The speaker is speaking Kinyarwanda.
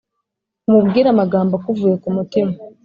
umubwire amagambo akuvuye ku mutima